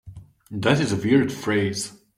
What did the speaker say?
That is a weird phrase.